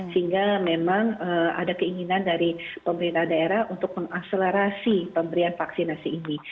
sehingga memang ada keinginan dari pemerintah daerah untuk mengakselerasi pemberian vaksinasi ini